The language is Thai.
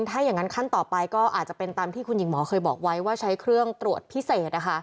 ถ้าอย่างนั้นขั้นต่อไปก็อาจจะเป็นตามที่คุณหญิงหมอเคยบอกไว้ว่าใช้เครื่องตรวจพิเศษ